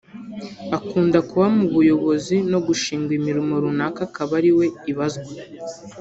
Akunda kuba mu buyobozi no gushingwa imirimo runaka akaba ariwe ibazwa